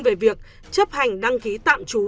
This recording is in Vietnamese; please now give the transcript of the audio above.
về việc chấp hành đăng ký tạm trú